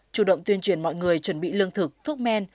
chủ động tuyên truyền mọi người chuẩn bị lương thực thuốc men